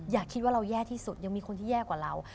อย่าคิดว่าเราแย่ที่สุดยังมีคนที่แย่กว่าเรา